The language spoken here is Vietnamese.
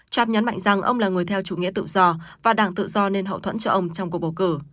trump nhấn mạnh rằng ông là người theo chủ nghĩa tự do và đảng tự do nên hậu thuẫn cho ông trong cuộc bầu cử